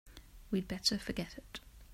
We'd better forget it.